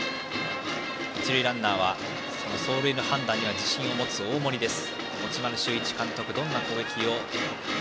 一塁ランナーは走塁の判断に自信を持つ大森です。